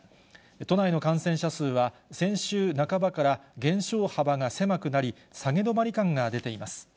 都内の感染者数は先週半ばから減少幅が狭くなり、下げ止まり感が出ています。